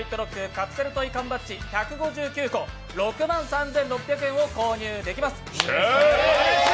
カプセルトイ缶バッジ１５９個６万３６００円を購入できます。